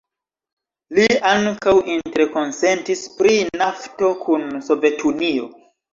Li ankaŭ interkonsentis pri nafto kun Sovetunio.